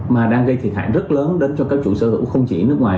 mà đang gây thiệt hại rất lớn đến cho các chủ sơ hữu không chỉ nước ngoài